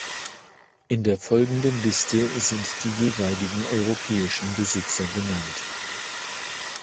In der folgenden Liste sind die jeweiligen europäischen Besitzer genannt.